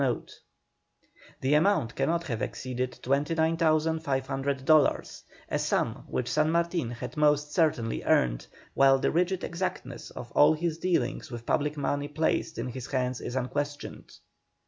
The amount cannot have exceeded 29,500 dollars, a sum which San Martin had most certainly earned, while the rigid exactness of all his dealings with public money placed in his hands is unquestioned.